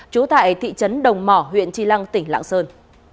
trú tại thị trấn đồng mỏ huyện tri lăng tỉnh lạng sơn